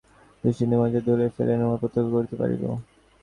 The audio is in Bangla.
দৃষ্টির মলিনতা ধুইয়া ফেলিলেই উহা প্রত্যক্ষ করিতে পারিব।